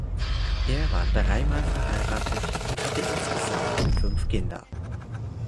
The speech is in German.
Er war dreimal verheiratet und hatte insgesamt fünf Kinder.